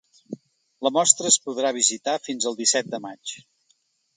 La mostra es podrà visitar fins el disset de maig.